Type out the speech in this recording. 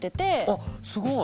あすごい！